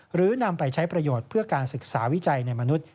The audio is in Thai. หรือนำไปใช้ประโยชน์เพื่อการศึกษาวิจัยในมนุษย์